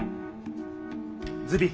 ズビ